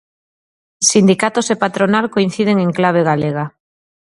Sindicatos e patronal coinciden en clave galega.